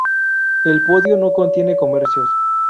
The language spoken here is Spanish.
El podio no contiene comercios.